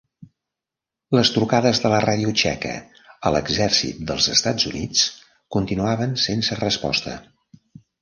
Les trucades de la ràdio txeca a l'exèrcit dels Estats Units continuaven sense resposta.